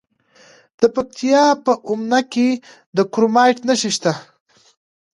د پکتیکا په اومنه کې د کرومایټ نښې شته.